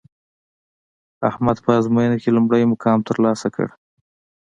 احمد په ازموینه کې لومړی مقام ترلاسه کړ